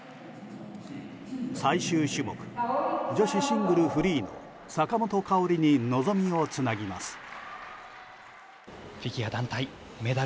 最終種目、女子シングルフリーの坂本花織に望みをつなぎます。